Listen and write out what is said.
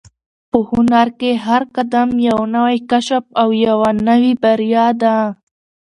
په هنر کې هر قدم یو نوی کشف او یوه نوې بریا ده.